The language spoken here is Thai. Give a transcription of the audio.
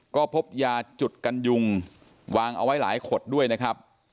ก็พบยาจุดกันยุงวางเอาไว้หลายขดด้วยนะครับ